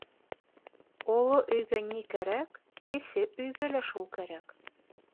Оло өйгә ни кәрәк, кесе өйгә лә шул кәрәк.